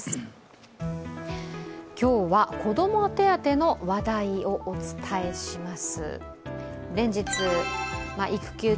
今日は子ども手当の話題をお伝えします。